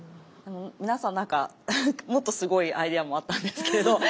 皆さん何かもっとすごいアイデアもあったんですけど。